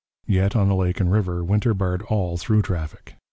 Yet, on the lake and river, winter barred all through traffic.